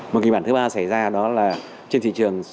một kịch bản thứ ba xảy ra đó là trên thị trường sẽ